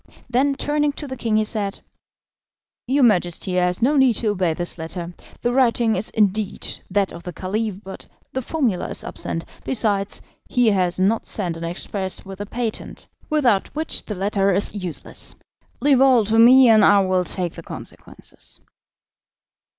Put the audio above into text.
Then, turning to the king, he said: "Your majesty has no need to obey this letter. The writing is indeed that of the Caliph, but the formula is absent. Besides, he has not sent an express with the patent, without which the letter is useless. Leave all to me, and I will take the consequences."